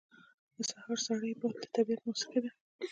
• د سهار سړی باد د طبیعت موسیقي ده.